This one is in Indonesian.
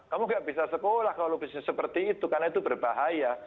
kamu gak bisa sekolah kalau bisnis seperti itu karena itu berbahaya